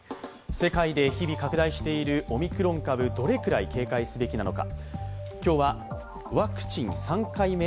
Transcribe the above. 世界で日々拡大しているオミクロン株どれくらい警戒すべきなのか。